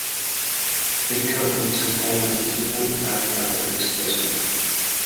Ting Kau Bridge and Tai Lam Tunnel are part of the expressway.